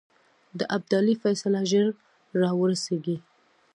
د ابدالي فیصله ژر را ورسېږي.